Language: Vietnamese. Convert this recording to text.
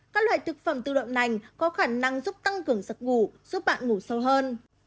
các loại thực phẩm từ đậu nành có khả năng giúp tăng cường giấc ngủ giúp bạn ngủ sâu hơn